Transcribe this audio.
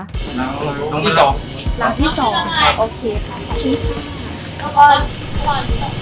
เราที่สองค่ะ